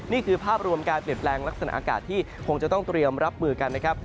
นี่คือภาพรวมการเปลี่ยนแปลงลักษณะอากาศที่คงจะต้องเตรียมรับมือกันนะครับ